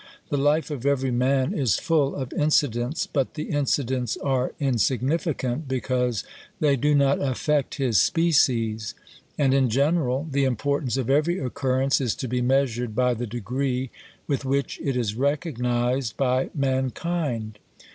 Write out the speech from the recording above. The life of every man is full of incidents, but the incidents are insignificant, because they do not affect his species; and in general the importance of every occurrence is to be measured by the degree with which it is recognised by mankind.